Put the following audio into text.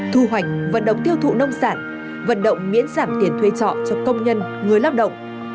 thu hoạch vận động tiêu thụ nông sản vận động miễn giảm tiền thuê trọ cho công nhân người lao động